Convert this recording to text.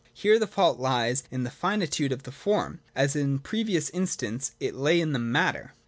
Here the fault lies in the finitude of the form, as in the pre vious instance it lay in the matter.